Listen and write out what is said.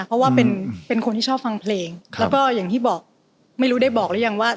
เพราะว่าเป็นเป็นคนที่ชอบฟังเพลงแล้วก็อย่างที่บอกไม่รู้ได้บอกหรือยังว่า